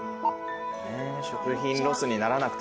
食品ロスにならなくて済むんだ。